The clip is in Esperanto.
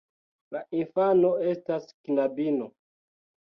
La infano estas knabino.